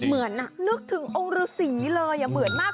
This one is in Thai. เหมือนนึกถึงองค์ฤษีเลยเหมือนมาก